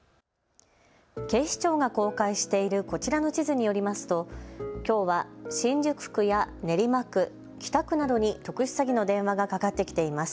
警視庁が公開しているこちらの地図によりますときょうは新宿区や練馬区、北区などに特殊詐欺の電話がかかってきています。